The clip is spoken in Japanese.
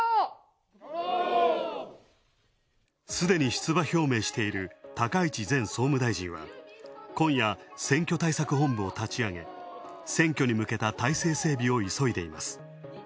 すでに出馬表明している高市前総務大臣は、こんや選挙対策本部を立ち上げ、選挙に向けた体制整備を急いでいます。